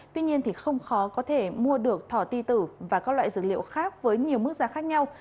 tuy nhiên thì không khó có thể mua được thỏ ti tử và các loại dược liệu khác với nhiều mức giá khác nhau